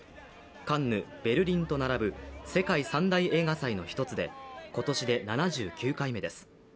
カンヌ、ベルリンと並ぶ世界三大映画祭の一つで今年で７９回目です。